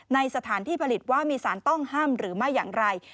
ในสถานที่ผลิตว่ามีสารต้องห้ามหรือไม่อย่างไร